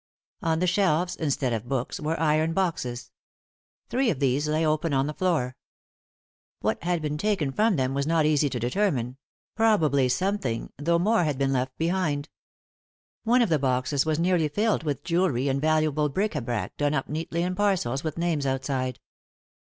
On the shelves, instead of books, were iron boxes. Three of these lay open on the floor. What had been taken from them it was not easy to determine ; probably something, though more had been left behind. One 28 ;«y?e.c.V GOOglC THE INTERRUPTED KISS of the boxes was nearly filled with jewellery, and valuable bric a brac, done up neatly in parcels, with names outside.